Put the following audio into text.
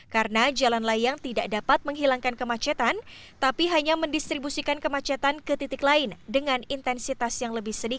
karena jalan layang tidak dapat menghilangkan kemacetan tapi hanya mendistribusikan kemacetan ke titik lain dengan intensitas yang lebih sedikit